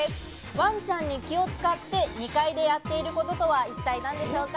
ワンちゃんに気を使って、２階でやっていることとは一体何でしょうか？